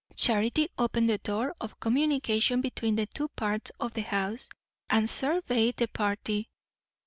Charity opened the door of communication between the two parts of the house, and surveyed the party.